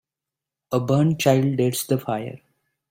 A burnt child dreads the fire.